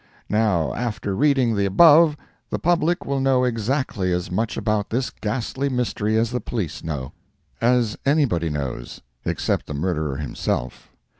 Now, after reading the above, the public will know exactly as much about this ghastly mystery as the Police know—as anybody knows, except the murderer himself.